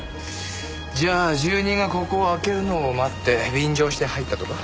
じゃあ住人がここを開けるのを待って便乗して入ったとか。